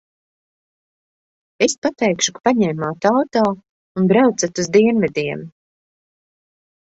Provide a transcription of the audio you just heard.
Es pateikšu, ka paņēmāt auto un braucat uz dienvidiem.